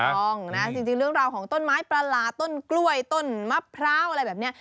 ถูกต้องนะจริงเรื่องราวของต้นไม้ประหลาดต้นกล้วยต้นมะพร้าวอะไรแบบนี้